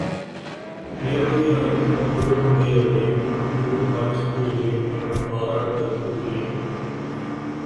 மேற்கூறிய அனைத்துப் பண்புகளும் உடையவனே நூற்றுக்கு நூறு காட்சிக்கு எளியன் எனப் பாராட்டற்கு உரியன்.